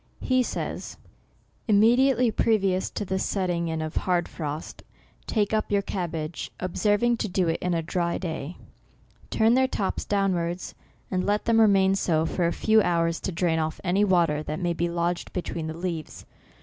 He says —" Immediately previous to the setting in of hard frost, take up your cabbage, observing to do it in a dry day ; turn their tops down wards, and let them remain so for a few hours to drain off any water that may be lodged be tween the leaves.